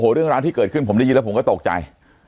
เรื่องราวที่เกิดขึ้นผมได้ยินแล้วผมก็ตกใจ